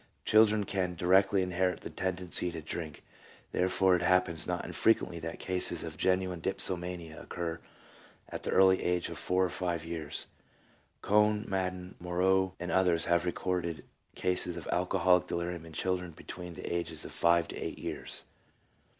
1 "Children can directly inherit the tendency to drink; therefore it happens not infrequently that cases of genuine dip somania occur at the early age of four or five years. Cohn, Maden, Moreau, and others have recorded cases of alcoholic delirium in children between the ages of five to eight years."